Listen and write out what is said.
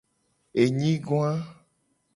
Enyigoa.